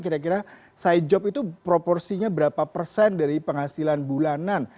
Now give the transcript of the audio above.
kira kira side job itu proporsinya berapa persen dari penghasilan bulanan